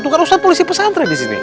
tuh kan ustadz polisi pesantren disini